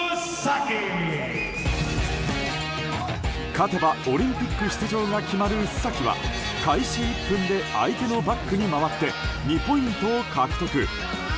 勝てばオリンピック出場が決まる須崎は開始１分で相手のバックに回って２ポイントを獲得。